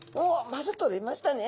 まずとれましたね